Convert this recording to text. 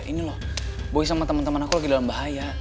ini loh boy sama teman teman aku lagi dalam bahaya